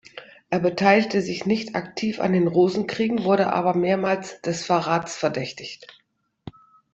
Er beteiligte sich nicht aktiv an den Rosenkriegen, wurde aber mehrmals des Verrats verdächtigt.